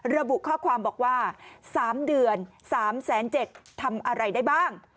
ระบุข้อความบอกว่า๓เดือน๓๗๐๐ทำอะไรได้บ้าง